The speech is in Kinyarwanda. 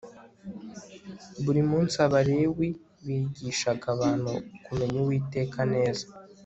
buri munsi abalewi bigishaga [abantu] kumenya uwiteka neza